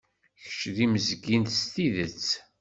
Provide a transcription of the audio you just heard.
Kečč d imegzi s tidet!